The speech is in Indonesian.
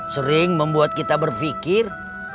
sering membuat kita berfikir